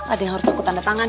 ada yang harus aku tanda tangan